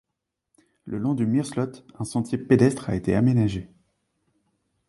Le long du Meersloot, un sentier pédestre a été aménagé.